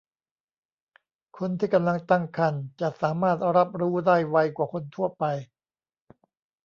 คนที่กำลังตั้งครรภ์จะสามารถรับรู้ได้ไวกว่าคนทั่วไป